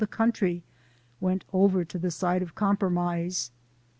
Seward went over to the side of compromise.